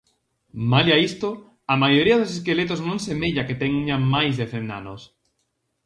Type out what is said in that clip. Malia isto, a maioría dos esqueletos non semella que teñan máis de cen anos.